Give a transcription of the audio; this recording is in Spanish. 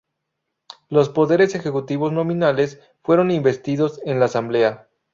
Los Poderes ejecutivos nominales fueron investidos en la Asamblea.